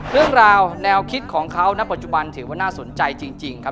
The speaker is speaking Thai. เรื่องราวแนวคิดของเขาณปัจจุบันถือว่าน่าสนใจจริงครับ